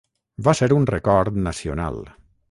Va ser un record nacional.